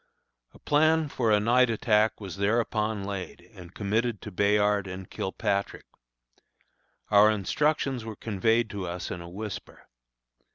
A plan for a night attack was thereupon laid and committed to Bayard and Kilpatrick. Our instructions were conveyed to us in a whisper.